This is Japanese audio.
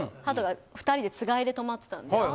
鳩が２人でつがいでとまってたんで。